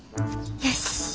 よし。